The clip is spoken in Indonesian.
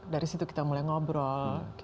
dari situ kita mulai ngobrol